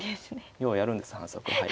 ようやるんです反則はい。